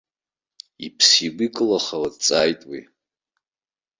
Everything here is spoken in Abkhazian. Иԥсы игәы икылахауа дҵааит уи.